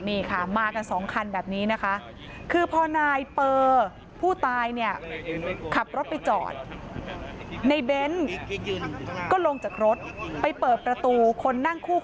นี่ค่ะมากันสองคันแบบนี้นะคะคือพ่อนายเปิลผู้ตายเนี่ย